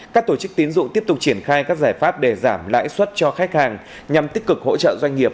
các tổ chức tín dụng tiếp tục triển khai các giải pháp để giảm lãi suất cho khách hàng nhằm tích cực hỗ trợ doanh nghiệp